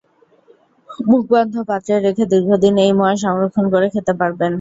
মুখবন্ধ পাত্রে রেখে দীর্ঘদিন এই মোয়া সংরক্ষণ করে খেতে পারবেন।